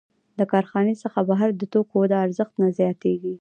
د کارخانې څخه بهر د توکو ارزښت نه زیاتېږي